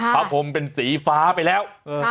พระพรมเป็นสีฟ้าไปแล้ว